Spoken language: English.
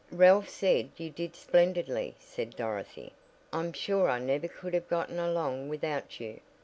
"Ralph said you did splendidly," said Dorothy, "I'm sure I never could have gotten along without you.